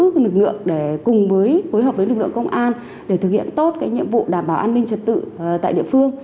các lực lượng để cùng với hối hợp với lực lượng công an để thực hiện tốt cái nhiệm vụ đảm bảo an ninh trật tự tại địa phương